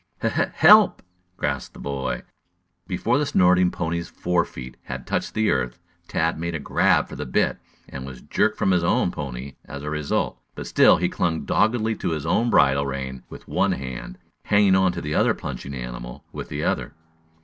"He help!" gasped the boy. Before the snorting pony's fore feet had touched the earth. Tad made a grab for the bit, and was jerked from his own pony as a result. But still he clung doggedly to his own bridle rein with one hand, hanging to the other plunging animal with the other.